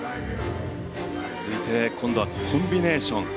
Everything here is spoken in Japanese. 続いて今度はコンビネーション。